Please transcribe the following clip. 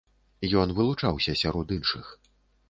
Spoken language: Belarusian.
Ён вылучаўся сярод іншых.